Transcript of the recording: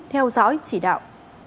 theo dõi chỉ đạo